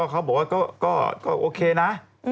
เขาบอกว่าก็โอเคนะ